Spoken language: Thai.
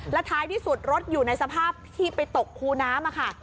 แล้วท้ายที่สุดรถอยู่ในสภาพที่ไปตกคูน้ำค่ะ